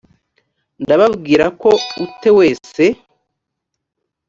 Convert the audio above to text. ndababwira ko u te wese